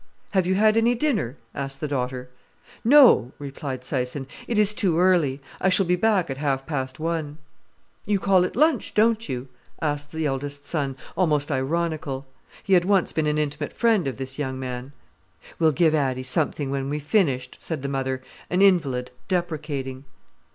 "Have you had any dinner?" asked the daughter. "No," replied Syson. "It is too early. I shall be back at half past one." "You call it lunch, don't you?" asked the eldest son, almost ironical. He had once been an intimate friend of this young man. "We'll give Addy something when we've finished," said the mother, an invalid, deprecating.